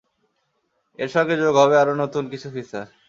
এর সঙ্গে যোগ হবে আরও নতুন কিছু ফিচার।